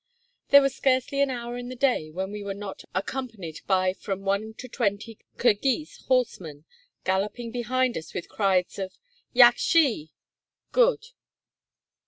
There was scarcely an hour in the day when we were not accompanied by from one to twenty Kirghiz horsemen, galloping behind us with cries of "Yakshee!" ("Good!")